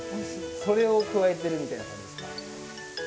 それを加えてるみたいな感じです。